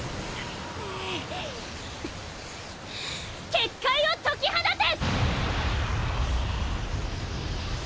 結界を解き放て！